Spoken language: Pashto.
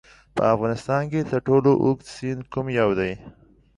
په افغانستان کې تر ټولو اوږد سیند کوم یو دی؟